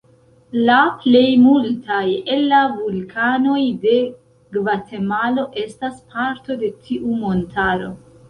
La plej multaj el la vulkanoj de Gvatemalo estas parto de tiu montaro.